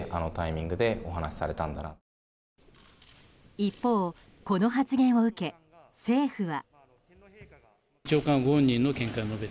一方この発言を受け、政府は。